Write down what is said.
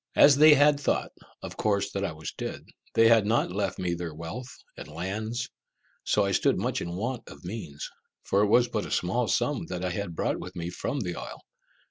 As they had thought, of course, that I was dead, they had not left me their wealth and lands, so that I stood much in want of means, for it was but a small sum that I had brought with me from the isle.